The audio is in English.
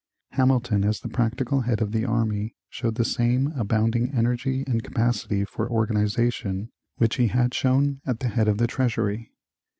Hamilton, as the practical head of the army, showed the same abounding energy and capacity for organization which he had shown at the head of the Treasury.